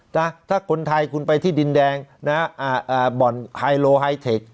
ถ้าคนไทยคุณไปที่ดินแดงนะอ่าบ่อนไฮโลไฮเทค